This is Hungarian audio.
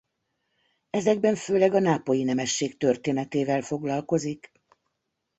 Ezekben főleg a nápolyi nemesség történetével foglalkozik.